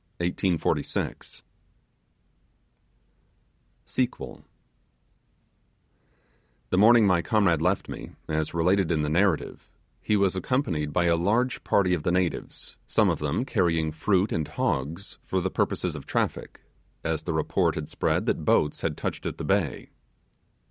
THE STORY OF TOBY The morning my comrade left me, as related in the narrative, he was accompanied by a large party of the natives, some of them carrying fruit and hogs for the purposes of traffic, as the report had spread that boats had touched at the bay.